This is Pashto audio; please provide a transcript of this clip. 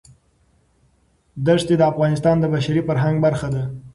دښتې د افغانستان د بشري فرهنګ برخه ده.